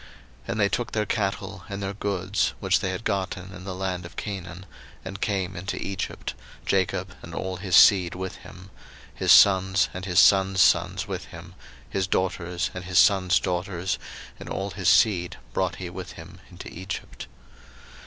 01:046:006 And they took their cattle, and their goods, which they had gotten in the land of Canaan, and came into Egypt, Jacob, and all his seed with him: 01:046:007 His sons, and his sons' sons with him, his daughters, and his sons' daughters, and all his seed brought he with him into Egypt.